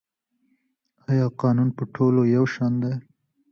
آیا قانون په ټولو یو شان دی؟